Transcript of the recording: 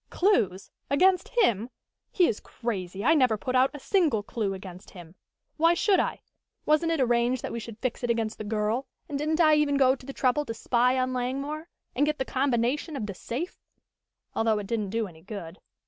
"Clews? Against him? He is crazy. I never put out a single clew against him. Why should I? Wasn't it arranged that we should fix it against the girl, and didn't I even go to the trouble to spy on Langmore and get the combination of the safe although it didn't do any good.